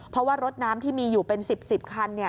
เพราะว่ารถน้ำที่มีอยู่เป็น๑๐๑๐คัน